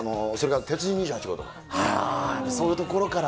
あー、そういうところから。